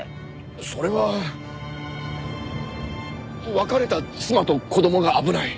それは別れた妻と子供が危ない。